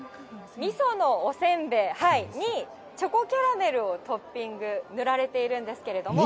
２層のおせんべいにチョコキャラメルをトッピング、塗られているんですけれども。